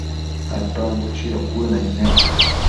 Aton buchido cuënaid nec